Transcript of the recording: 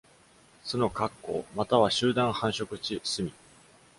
「巣のカッコウ」または「集団繁殖地隅」